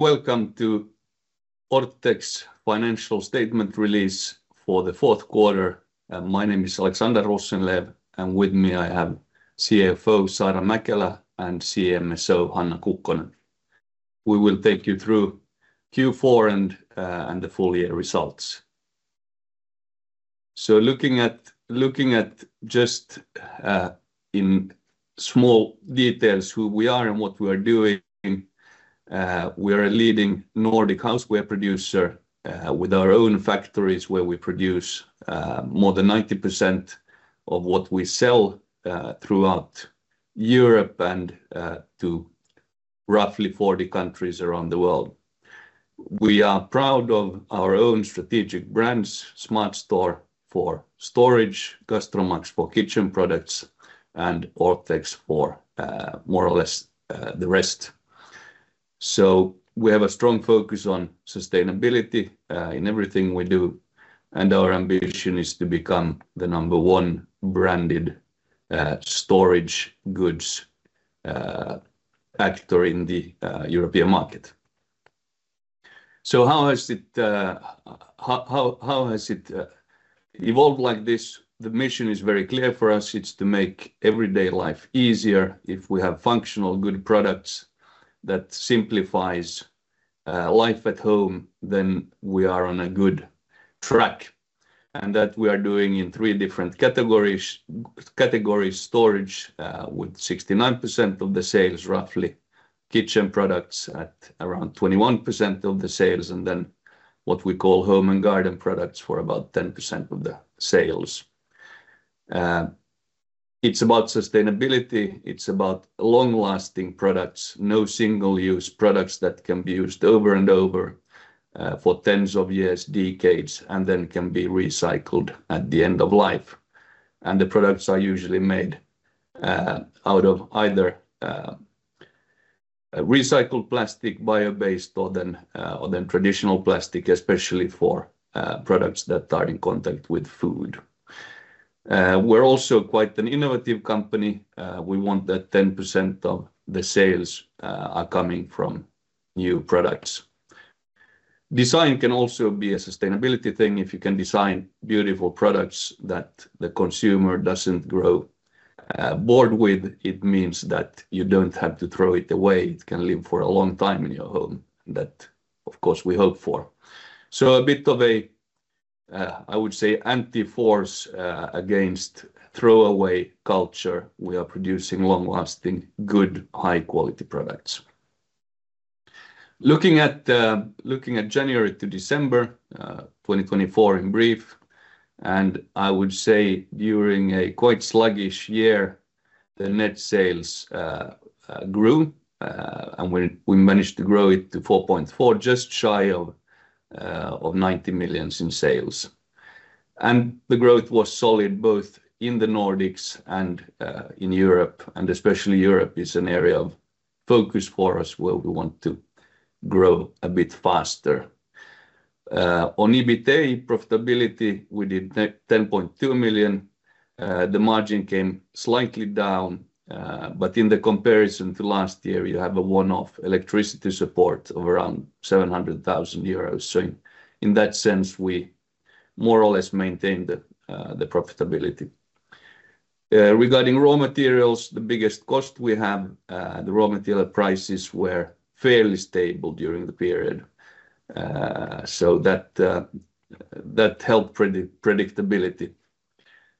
Welcome to Orthex financial statement release for the fourth quarter. My name is Alexander Rosenlew. With me, I have CFO Saara Mäkelä and CMSO Hanna Kukkonen. We will take you through Q4 and the full year results. Looking at just in small details who we are and what we are doing, we are a leading Nordic houseware producer with our own factories where we produce more than 90% of what we sell throughout Europe and to roughly 40 countries around the world. We are proud of our own strategic brands, SmartStore for Storage, GastroMax for Kitchen products, and Orthex for more or less the rest. We have a strong focus on sustainability in everything we do, and our ambition is to become the number one branded storage goods factory in the European market. How has it evolved like this? The mission is very clear for us. It's to make everyday life easier. If we have functional, good products that simplify life at home, we are on a good track. We are doing that in three different categories: storage with 69% of the sales, roughly Kitchen products at around 21% of the sales, and what we call Home and Garden products for about 10% of the sales. It's about sustainability. It's about long-lasting products, no single-use products that can be used over and over for tens of years, decades, and then can be recycled at the end of life. The products are usually made out of either recycled plastic, bio-based, or traditional plastic, especially for products that are in contact with food. We're also quite an innovative company. We want that 10% of the sales are coming from new products. Design can also be a sustainability thing. If you can design beautiful products that the consumer doesn't grow bored with, it means that you don't have to throw it away. It can live for a long time in your home. That, of course, we hope for. A bit of a, I would say, anti-force against throwaway culture. We are producing long-lasting, good, high-quality products. Looking at January to December 2024 in brief, I would say during a quite sluggish year, the net sales grew, and we managed to grow it to 4.4%, just shy of 90 million in sales. The growth was solid both in the Nordics and in Europe, and especially Europe is an area of focus for us where we want to grow a bit faster. On EBITDA, profitability, we did 10.2 million. The margin came slightly down, but in the comparison to last year, you have a one-off electricity support of around 700,000 euros. In that sense, we more or less maintained the profitability. Regarding raw materials, the biggest cost we have, the raw material prices were fairly stable during the period. That helped predictability.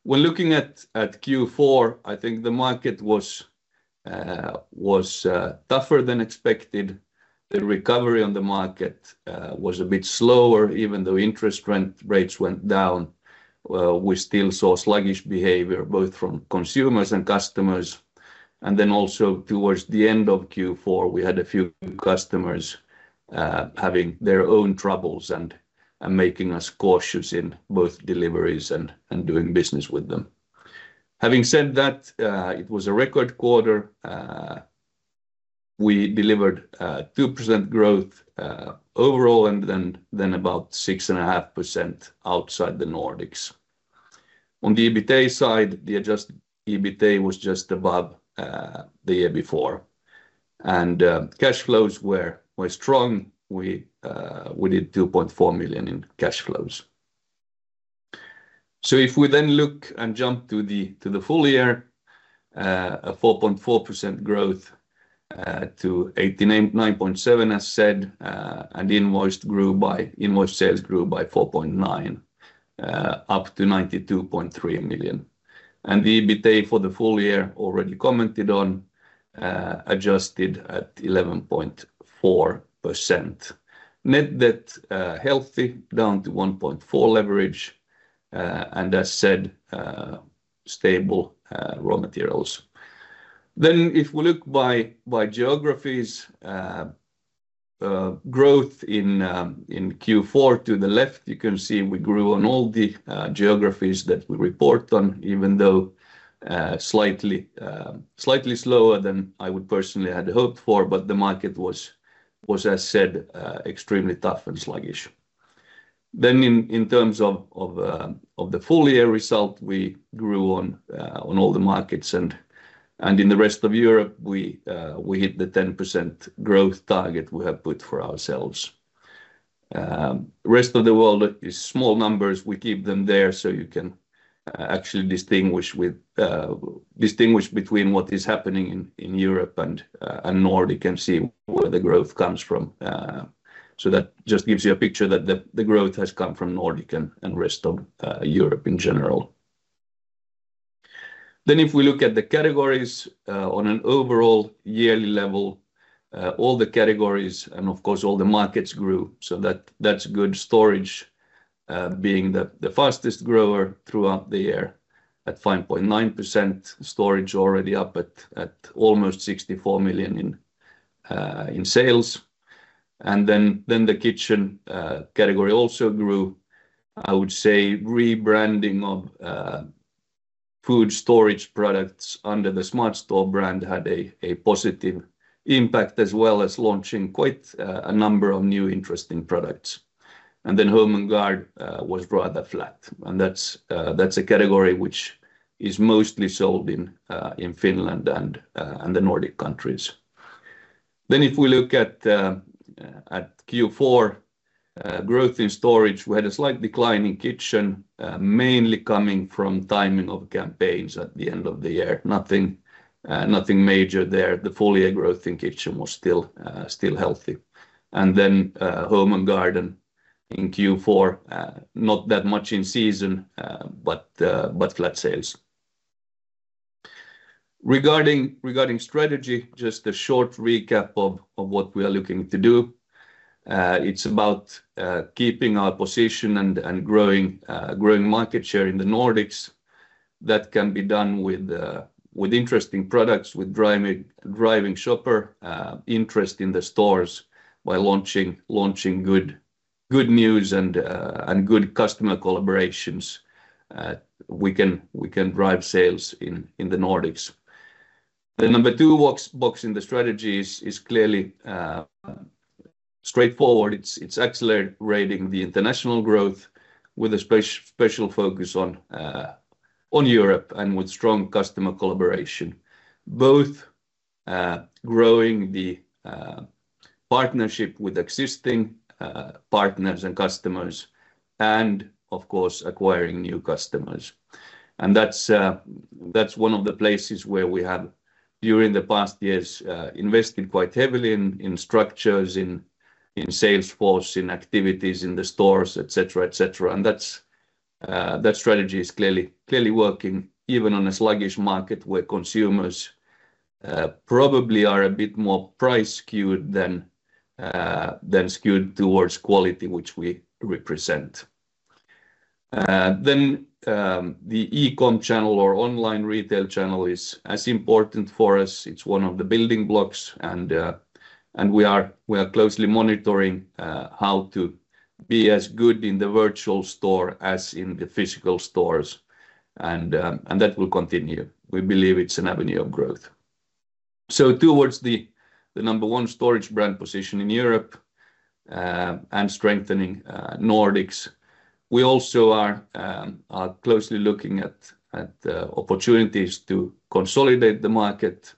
When looking at Q4, I think the market was tougher than expected. The recovery on the market was a bit slower. Even though interest rates went down, we still saw sluggish behavior both from consumers and customers. Also towards the end of Q4, we had a few customers having their own troubles and making us cautious in both deliveries and doing business with them. Having said that, it was a record quarter. We delivered 2% growth overall and then about 6.5% outside the Nordics. On the EBITDA side, the adjusted EBITDA was just above the year before. Cash flows were strong. We did 2.4 million in cash flows. If we then look and jump to the full year, a 4.4% growth to 89.7 million, as said, and invoiced sales grew by 4.9%, up to 92.3 million. The EBITDA for the full year, already commented on, adjusted at 11.4%. Net debt healthy, down to 1.4 leverage. As said, stable raw materials. If we look by geographies, growth in Q4 to the left, you can see we grew on all the geographies that we report on, even though slightly slower than I would personally had hoped for. The market was, as said, extremely tough and sluggish. In terms of the full year result, we grew on all the markets. In the rest of Europe, we hit the 10% growth target we have put for ourselves. Rest of the world is small numbers. We keep them there so you can actually distinguish between what is happening in Europe and Nordic and see where the growth comes from. That just gives you a picture that the growth has come from Nordic and rest of Europe in general. If we look at the categories on an overall yearly level, all the categories and of course all the markets grew. That's good. Storage being the fastest grower throughout the year at 5.9%. Storage already up at almost 64 million in sales. The Kitchen category also grew. I would say rebranding of food storage products under the SmartStore brand had a positive impact as well as launching quite a number of new interesting products. Home and Garden was rather flat. That is a category which is mostly sold in Finland and the Nordic countries. If we look at Q4 growth in Storage, we had a slight decline in Kitchen, mainly coming from timing of campaigns at the end of the year. Nothing major there. The full year growth in Kitchen was still healthy. Home and Garden in Q4, not that much in season, but flat sales. Regarding strategy, just a short recap of what we are looking to do. It is about keeping our position and growing market share in the Nordics. That can be done with interesting products, with driving shopper interest in the stores by launching good news and good customer collaborations. We can drive sales in the Nordics. The number two box in the strategy is clearly straightforward. It's accelerating the international growth with a special focus on Europe and with strong customer collaboration. Both growing the partnership with existing partners and customers and of course acquiring new customers. That's one of the places where we have during the past years invested quite heavily in structures, in sales force, in activities in the stores, etc. That strategy is clearly working even on a sluggish market where consumers probably are a bit more price skewed than skewed towards quality which we represent. The e-commerce channel or online retail channel is as important for us. It's one of the building blocks. We are closely monitoring how to be as good in the virtual store as in the physical stores. That will continue. We believe it's an avenue of growth. Towards the number one storage brand position in Europe and strengthening Nordics, we also are closely looking at opportunities to consolidate the market.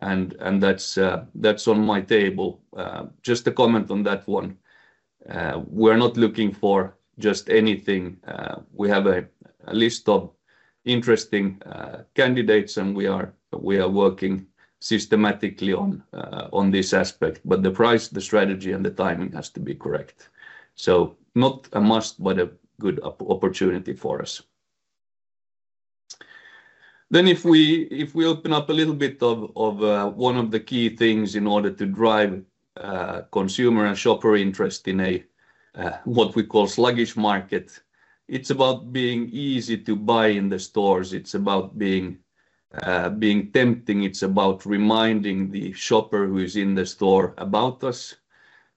That is on my table. Just a comment on that one. We are not looking for just anything. We have a list of interesting candidates and we are working systematically on this aspect. The price, the strategy, and the timing have to be correct. Not a must, but a good opportunity for us. If we open up a little bit of one of the key things in order to drive consumer and shopper interest in what we call a sluggish market, it is about being easy to buy in the stores. It is about being tempting. It is about reminding the shopper who is in the store about us.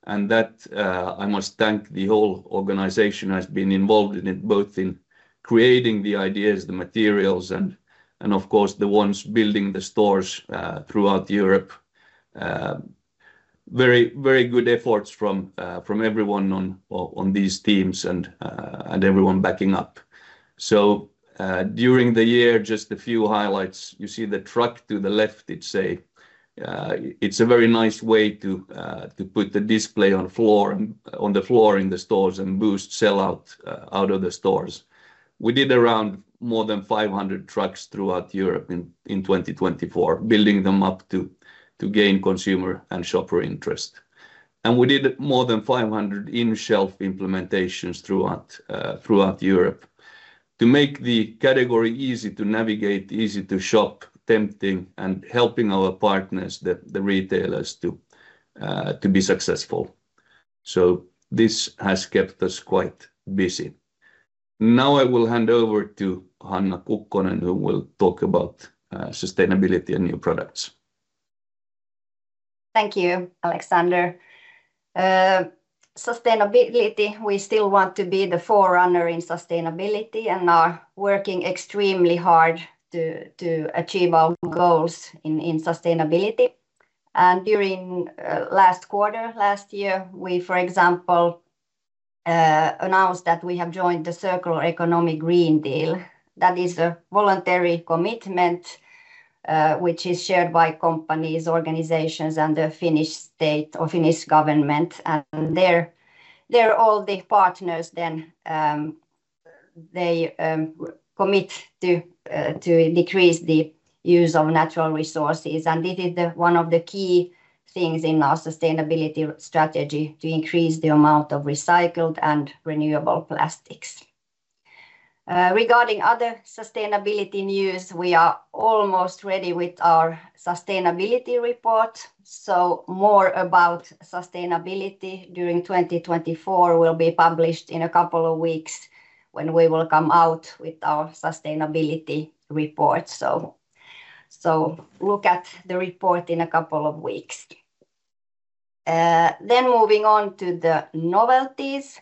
I must thank the whole organization that has been involved in it, both in creating the ideas, the materials, and of course the ones building the stores throughout Europe. Very good efforts from everyone on these teams and everyone backing up. During the year, just a few highlights. You see the truck to the left, it is a very nice way to put the display on the floor in the stores and boost sellout out of the stores. We did more than 500 trucks throughout Europe in 2024, building them up to gain consumer and shopper interest. We did more than 500 in-shelf implementations throughout Europe to make the category easy to navigate, easy to shop, tempting, and helping our partners, the retailers, to be successful. This has kept us quite busy. Now I will hand over to Hanna Kukkonen, who will talk about sustainability and new products. Thank you, Alexander. Sustainability, we still want to be the forerunner in sustainability and are working extremely hard to achieve our goals in sustainability. During last quarter, last year, we, for example, announced that we have joined the Circular Economy Green Deal. That is a voluntary commitment which is shared by companies, organizations, and the Finnish state or Finnish government. All the partners then commit to decrease the use of natural resources. This is one of the key things in our sustainability strategy to increase the amount of recycled and renewable plastics. Regarding other sustainability news, we are almost ready with our sustainability report. More about sustainability during 2024 will be published in a couple of weeks when we will come out with our sustainability report. Look at the report in a couple of weeks. Moving on to the novelties,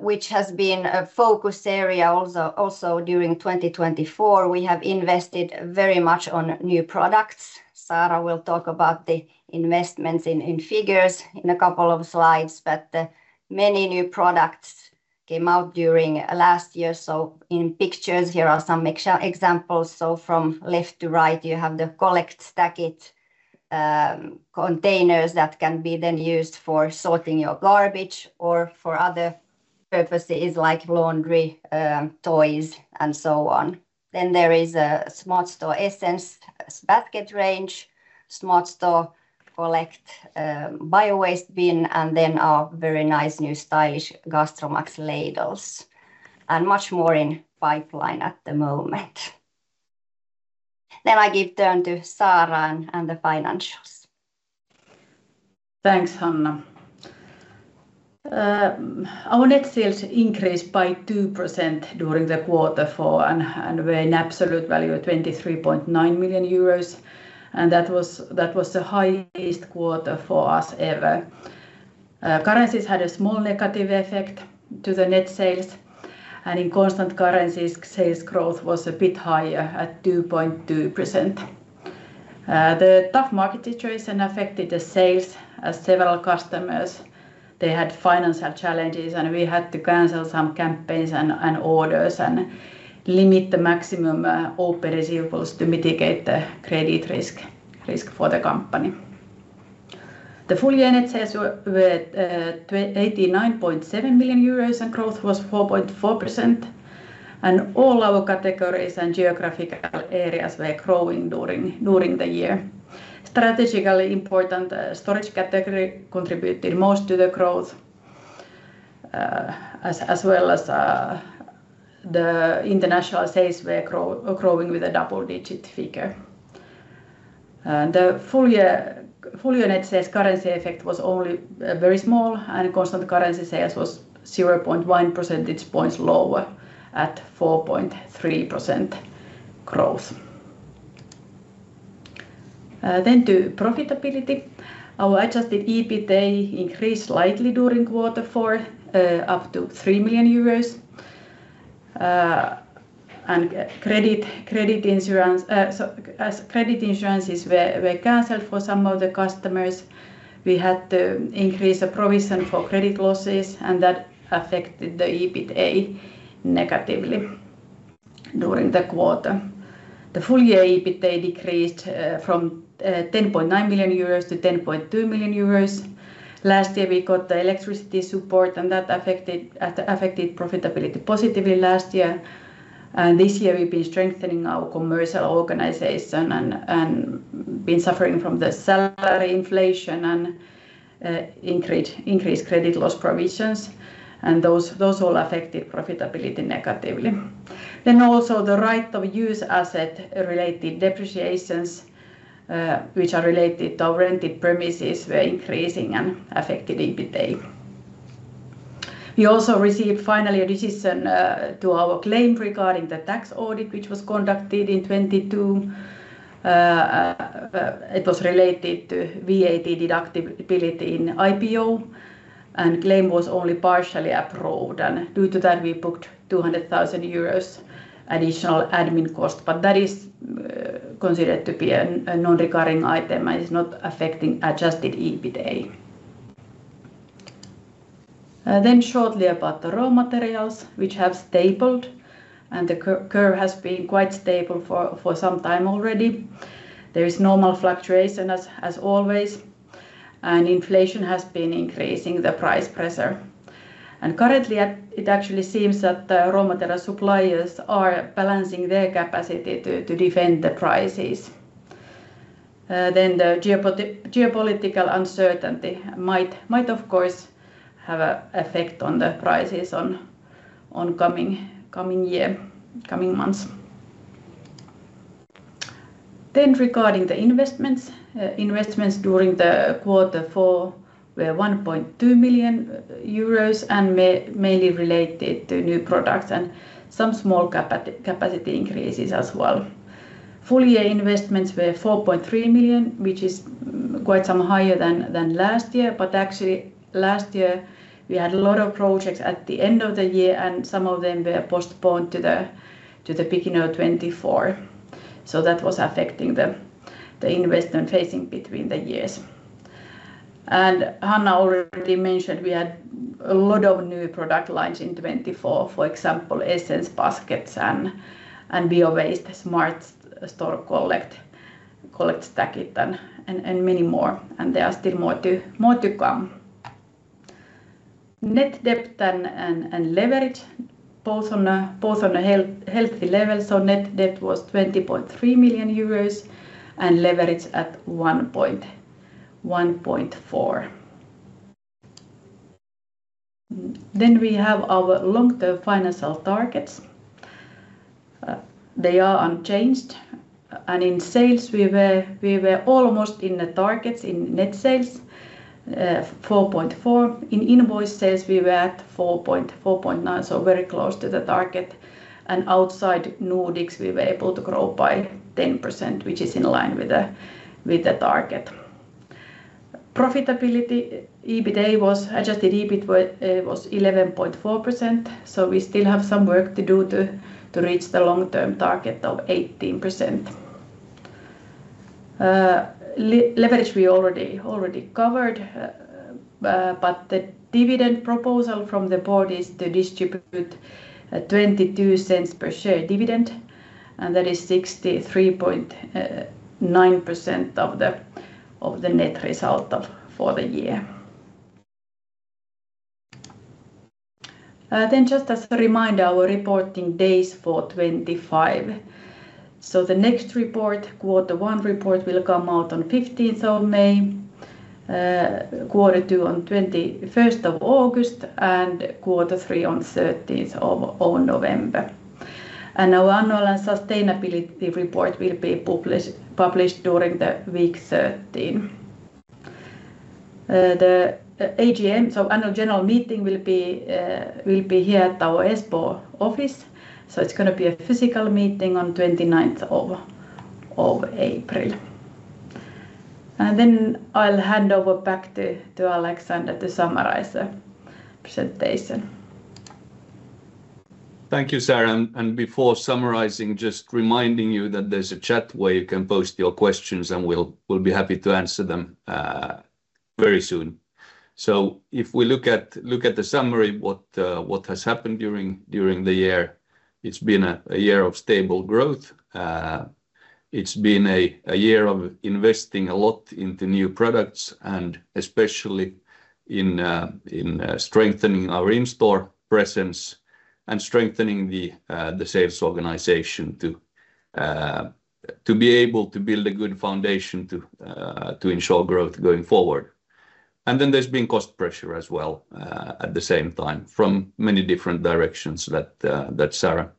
which has been a focus area also during 2024, we have invested very much on new products. Saara will talk about the investments in figures in a couple of slides, but many new products came out during last year. In pictures, here are some examples. From left to right, you have the Collect Stack-It containers that can be then used for sorting your garbage or for other purposes like laundry, toys, and so on. There is a SmartStore Essence basket range, SmartStore Collect Biowaste bin, and then our very nice new stylish GastroMax ladles. Much more in pipeline at the moment. I give turn to Saara and the financials. Thanks, Hanna. Our net sales increased by 2% during the quarter for an absolute value of 23.9 million euros. That was the highest quarter for us ever. Currencies had a small negative effect to the net sales. In constant currencies, sales growth was a bit higher at 2.2%. The tough market situation affected the sales as several customers, they had financial challenges, and we had to cancel some campaigns and orders and limit the maximum open receivables to mitigate the credit risk for the company. The full year net sales were 89.7 million euros and growth was 4.4%. All our categories and geographical areas were growing during the year. Strategically important, Storage category contributed most to the growth, as well as the international sales were growing with a double-digit figure. The full year net sales currency effect was only very small, and constant currency sales was 0.1 percentage points lower at 4.3% growth. To profitability, our adjusted EBITDA increased slightly during quarter four up to EUR 3 million. Credit insurances were canceled for some of the customers. We had to increase a provision for credit losses, and that affected the EBITDA negatively during the quarter. The full year EBITDA decreased from 10.9 million euros to 10.2 million euros. Last year, we got the electricity support, and that affected profitability positively last year. This year, we've been strengthening our commercial organization and been suffering from the salary inflation and increased credit loss provisions. Those all affected profitability negatively. Also, the right-of-use asset-related depreciations, which are related to our rented premises, were increasing and affected EBITDA. We also received finally a decision to our claim regarding the tax audit, which was conducted in 2022. It was related to VAT deductibility in IPO, and the claim was only partially approved. Due to that, we booked 200,000 euros additional admin cost, but that is considered to be a non-recurring item and is not affecting adjusted EBITDA. Shortly about the raw materials, which have stabilized, and the curve has been quite stable for some time already. There is normal fluctuation as always, and inflation has been increasing the price pressure. Currently, it actually seems that the raw material suppliers are balancing their capacity to defend the prices. The geopolitical uncertainty might, of course, have an effect on the prices in the coming year, coming months. Regarding the investments, investments during quarter four were 1.2 million and mainly related to new products and some small capacity increases as well. Full year investments were 4.3 million, which is quite some higher than last year, but actually last year we had a lot of projects at the end of the year, and some of them were postponed to the beginning of 2024. That was affecting the investment phasing between the years. Hanna already mentioned we had a lot of new product lines in 2024, for example, Essence baskets, and SmartStore Collect Biowaste, Collect Stack-It and many more. There are still more to come. Net debt and leverage, both on a healthy level. Net debt was 20.3 million euros and leverage at 1.4. We have our long-term financial targets. They are unchanged. In sales, we were almost in the targets in net sales, 4.4 million. In invoice sales, we were at 4.9 million, so very close to the target. Outside Nordics, we were able to grow by 10%, which is in line with the target. Profitability, EBITDA was adjusted EBITDA was 11.4%. We still have some work to do to reach the long-term target of 18%. Leverage we already covered, but the dividend proposal from the board is to distribute 0.22 per share dividend, and that is 63.9% of the net result for the year. Just as a reminder, our reporting days for 2025: the next report, quarter one report, will come out on 15th of May, quarter two on 21st of August, and quarter three on 13th of November. Our annual and sustainability report will be published during week 13. The AGM, so annual general meeting, will be here at our Espoo office. It is going to be a physical meeting on 29th of April. I will hand over back to Alexander to summarize the presentation. Thank you, Saara. Before summarizing, just reminding you that there is a chat where you can post your questions, and we will be happy to answer them very soon. If we look at the summary, what has happened during the year, it has been a year of stable growth. It has been a year of investing a lot into new products, and especially in strengthening our in-store presence and strengthening the sales organization to be able to build a good foundation to ensure growth going forward. There has been cost pressure as well at the same time from many different directions that Saara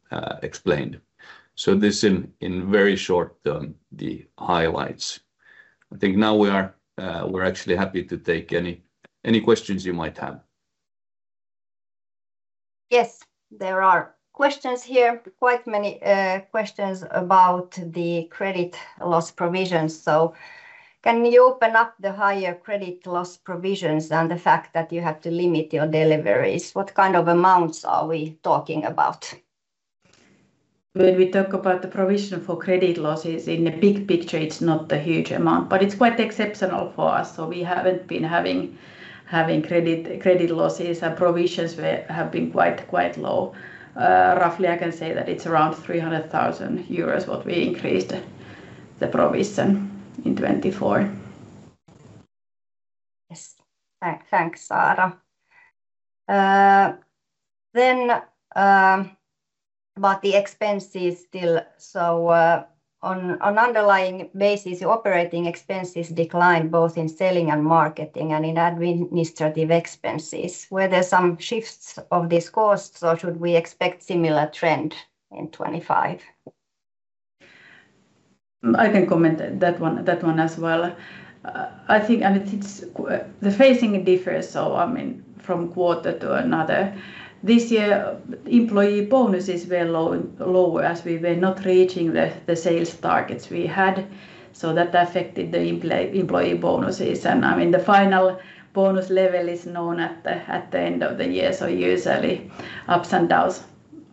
explained. This in very short term the highlights. I think now we're actually happy to take any questions you might have. Yes, there are questions here, quite many questions about the credit loss provisions. Can you open up the higher credit loss provisions and the fact that you have to limit your deliveries? What kind of amounts are we talking about? When we talk about the provision for credit losses in the big picture, it's not a huge amount, but it's quite exceptional for us. We haven't been having credit losses, and provisions have been quite low. Roughly, I can say that it's around 300,000 euros what we increased the provision in 2024. Yes, thanks, Saara. About the expenses still, on underlying basis, your operating expenses declined both in selling and marketing and in administrative expenses. Were there some shifts of this cost, or should we expect a similar trend in 2025? I can comment on that one as well. I think the phasing differs, I mean from quarter to another. This year, employee bonuses were lower as we were not reaching the sales targets we had. That affected the employee bonuses. I mean the final bonus level is known at the end of the year. Usually, ups and downs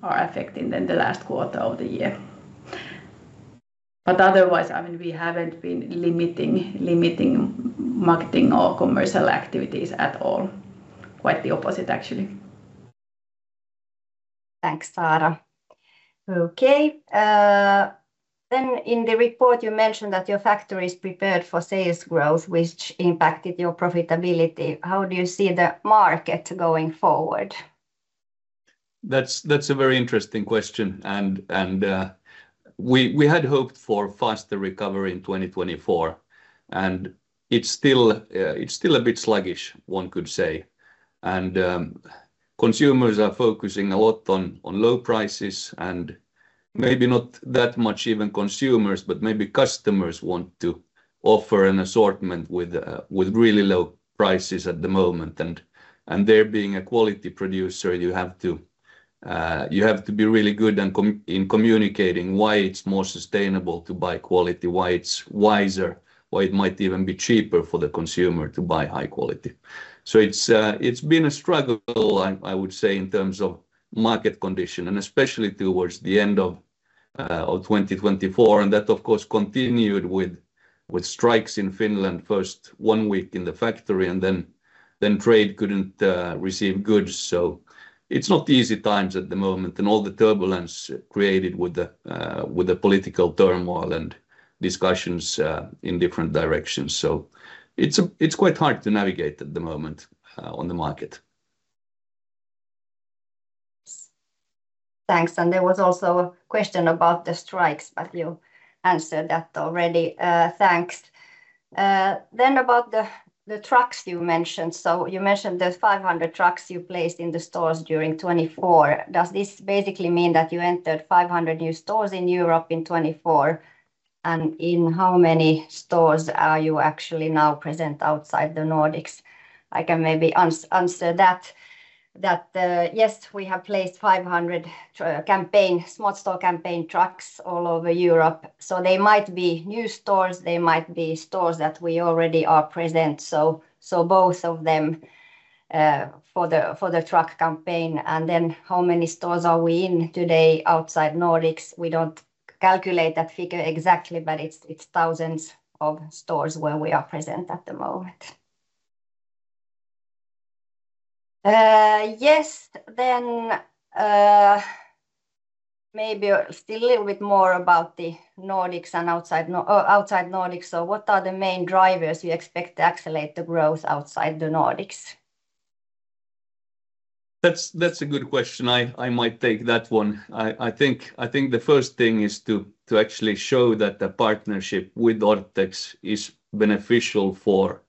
are affecting then the last quarter of the year. Otherwise, I mean we haven't been limiting marketing or commercial activities at all. Quite the opposite, actually. Thanks, Saara. Okay. In the report, you mentioned that your factory is prepared for sales growth, which impacted your profitability. How do you see the market going forward? That's a very interesting question. We had hoped for a faster recovery in 2024. It's still a bit sluggish, one could say. Consumers are focusing a lot on low prices, and maybe not that much even consumers, but maybe customers want to offer an assortment with really low prices at the moment. There being a quality producer, you have to be really good in communicating why it's more sustainable to buy quality, why it's wiser, why it might even be cheaper for the consumer to buy high quality. It's been a struggle, I would say, in terms of market condition, and especially towards the end of 2024. That, of course, continued with strikes in Finland, first one week in the factory, and then trade couldn't receive goods. It's not easy times at the moment, and all the turbulence created with the political turmoil and discussions in different directions. It's quite hard to navigate at the moment on the market. Thanks. There was also a question about the strikes, but you answered that already. Thanks. About the trucks you mentioned. You mentioned the 500 trucks you placed in the stores during 2024. Does this basically mean that you entered 500 new stores in Europe in 2024? In how many stores are you actually now present outside the Nordics? I can maybe answer that. Yes, we have placed 500 through our campaign, SmartStore campaign trucks all over Europe. They might be new stores. They might be stores where we already are present. Both of them for the truck campaign. How many stores are we in today outside the Nordics? We do not calculate that figure exactly, but it is thousands of stores where we are present at the moment. Yes. Maybe still a little bit more about the Nordics and outside Nordics. What are the main drivers you expect to accelerate the growth outside the Nordics? That's a good question. I might take that one. I think the first thing is to actually show that the partnership with Orthex is beneficial for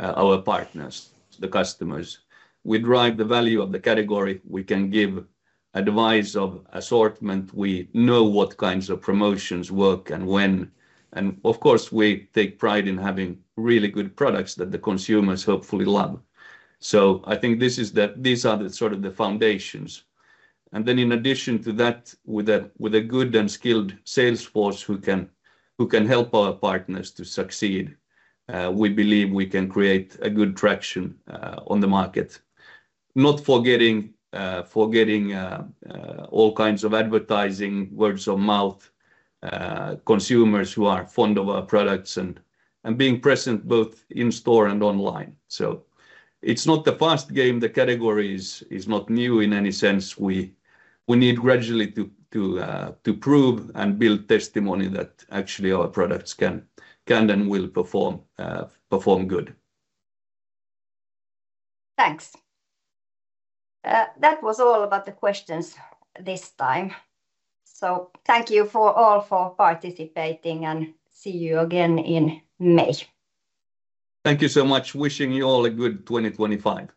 our partners, the customers. We drive the value of the category. We can give advice of assortment. We know what kinds of promotions work and when. Of course, we take pride in having really good products that the consumers hopefully love. I think these are the sort of the foundations. In addition to that, with a good and skilled salesforce who can help our partners to succeed, we believe we can create a good traction on the market. Not forgetting all kinds of advertising, word of mouth, consumers who are fond of our products, and being present both in store and online. It is not the fast game. The category is not new in any sense. We need gradually to prove and build testimony that actually our products can and will perform good. Thanks. That was all about the questions this time. Thank you all for participating, and see you again in May. Thank you so much. Wishing you all a good 2025.